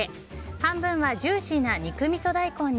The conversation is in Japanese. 半分はジューシーな肉みそ大根に。